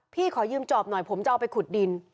ขอยืมจอบหน่อยผมจะเอาไปขุดดิน